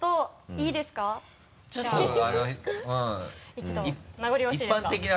一度名残惜しいですが。